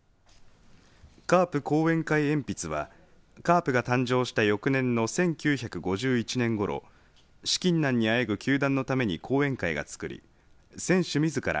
カープ後援會鉛筆はカープが誕生した翌年の１９５１年ごろ資金難にあえぐ球団のために後援会が作り選手みずから